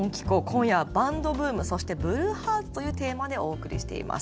今夜は「バンドブーム、そしてブルーハーツ」というテーマでお送りしています。